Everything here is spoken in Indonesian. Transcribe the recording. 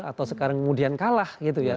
atau sekarang kemudian kalah gitu ya